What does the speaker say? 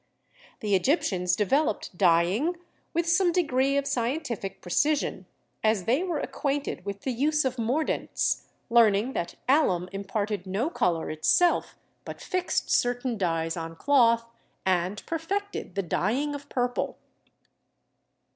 The Egyptians developed dyeing with some degree of scientific precision, as they were acquainted with the use of mordants, learning that alum imparted no color itself but fixed certain dyes on cloth, and perfected the dye ing of purple.